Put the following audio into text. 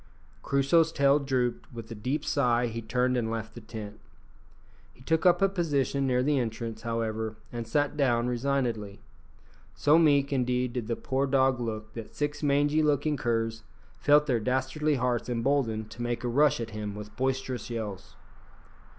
Crusoe's tail drooped; with a deep sigh he turned and left the tent. He took up a position near the entrance, however, and sat down resignedly. So meek, indeed, did the poor dog look that six mangy looking curs felt their dastardly hearts emboldened to make a rush at him with boisterous yells.